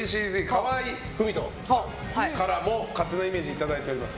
河合郁人さんからも勝手なイメージいただいております。